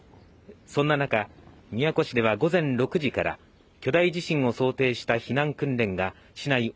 そんな中宮古市では午前６時から巨大地震を想定した避難訓練が市内